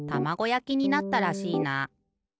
やきになったらしいな。